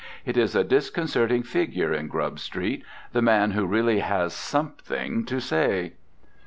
It is a disconcerting figure in Grub Street, the man who really has something to say.